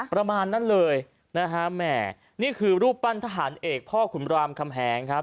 ประมาณนั้นเลยนะฮะแหม่นี่คือรูปปั้นทหารเอกพ่อขุนรามคำแหงครับ